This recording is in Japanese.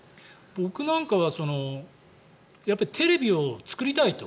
僕なんかはテレビを作りたいと。